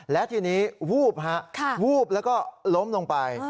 และทีนี้วูบฮะวูบแล้วก็ล้มลงไป